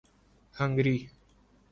Hungary